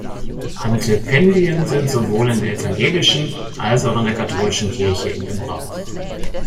Antependien sind sowohl in der evangelischen als auch in der katholischen Kirche in Gebrauch.